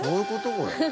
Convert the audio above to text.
これ。